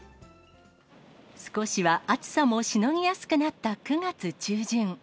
少しは暑さもしのぎやすくなった９月中旬。